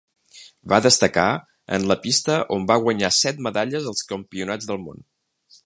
Va destacar en la pista on va guanyar set medalles als Campionats del Món.